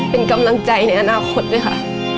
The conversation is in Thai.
เป็นกำลังใจในอนาคตด้วยค่ะ